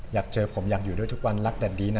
อยากเจอผมอยากอยู่ด้วยทุกวัน